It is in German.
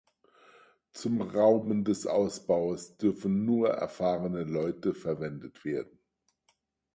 Zum Rauben des Ausbaues dürfen nur erfahrene Leute verwendet werden.